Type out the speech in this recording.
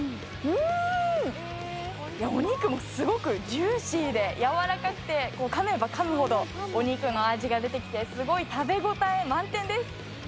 うん、お肉もすごくジューシーでやわらかくて、かめばかむほどお肉の味が出てきてすごい食べ応え満点です。